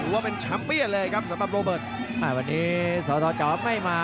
วันนี้สตจอไม่มา